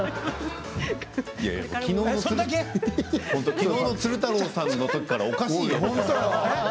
きのうの鶴太郎さんのときからおかしいよ。